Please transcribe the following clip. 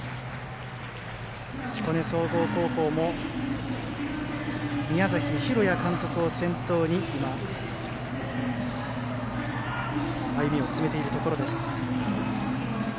彦根総合高校も宮崎裕也監督を先頭に今、歩みを進めています。